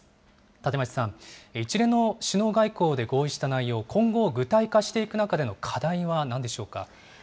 立町さん、一連の首脳会合で合意した内容、今後、具体化していく中での課題はなんでしょうか。